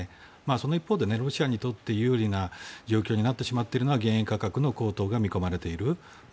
その一方でロシアにとって有利な状況になってしまっているのは原油価格の高騰が見込まれてしまっている。